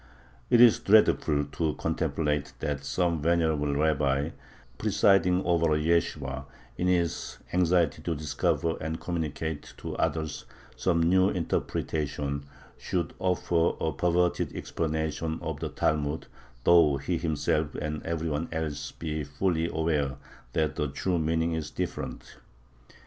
It is dreadful to contemplate that some venerable rabbi, presiding over a yeshibah, in his anxiety to discover and communicate to others some new interpretation, should offer a perverted explanation of the Talmud, though he himself and every one else be fully aware that the true meaning is different.